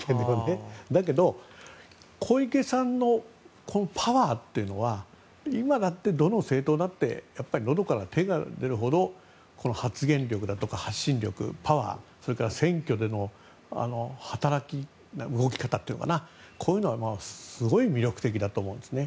だけど小池さんのパワーというのは今だって、どの政党だって喉から手が出るほど発言力、発信力、パワーそれから選挙での働き、動き方というかこういうのはすごい魅力的だと思うんですね。